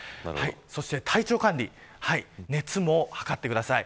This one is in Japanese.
そして体調管理熱も計ってください。